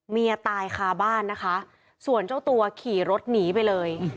เมียตายคาบ้านนะคะส่วนเจ้าตัวขี่รถหนีไปเลย